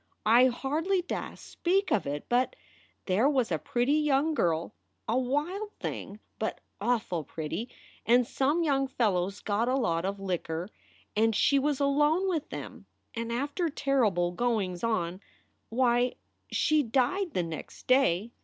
I hardly dast speak of it, but there was a pretty young girl, a wild thing, but awful pretty, and some young fellows got a lot of liquor, and she was alone with them, and after terrible goings on why, she died the next day.